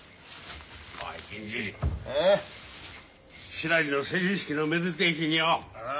しらりの成人式のめでてえ日によ